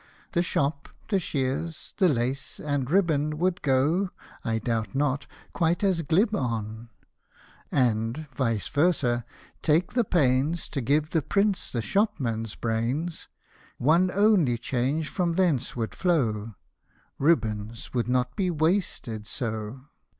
The shop, the shears, the lace, and ribbon Would go, I doubt not, quite as glib on ; And, vice versd^ take the pains To give the P — CE the shopman's brains, One only change from thence would flow, Ribbons would not be wasted so.